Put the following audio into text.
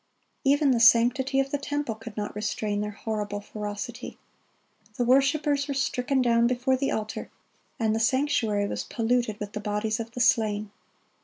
Even the sanctity of the temple could not restrain their horrible ferocity. The worshipers were stricken down before the altar, and the sanctuary was polluted with the bodies of the slain.